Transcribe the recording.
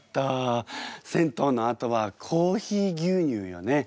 銭湯のあとはコーヒー牛乳よね。